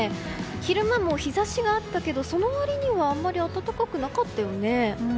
昼間も日差しがあったけどその割にはあまり暖かくなかったよね。